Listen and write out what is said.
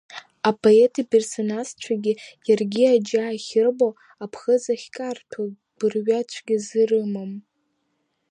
Апоет иперсонажцәагьы иаргьы аџьа ахьырбо, аԥхӡы ахькарҭәо гәырҩа цәгьас ирымам.